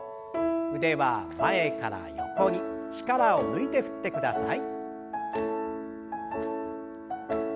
腕は前から横に力を抜いて振ってください。